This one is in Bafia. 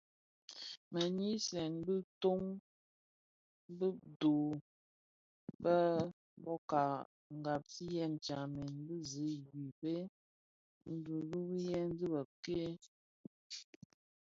Me nyisen biton bedho bë bōka ghaksiya stamen bi zi I Guife, nduduyèn dhi bëk-ke.